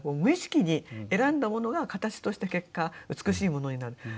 無意識に選んだものが形として結果美しいものになる。